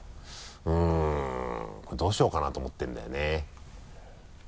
うんこれどうしようかな？と思ってるんだよね。